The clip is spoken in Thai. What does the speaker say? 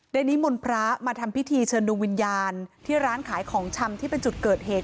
นิมนต์พระมาทำพิธีเชิญดวงวิญญาณที่ร้านขายของชำที่เป็นจุดเกิดเหตุ